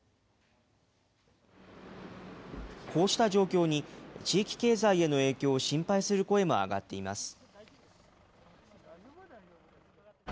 こうした状況に、地域経済への影響を心配する声も上がっています。